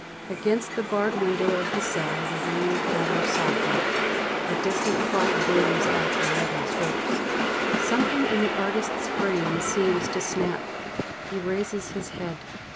Against the barred window of the cell the rain patters softly. A distant clock booms out eleven strokes. Something in the artist's brain seems to snap. He raises his head.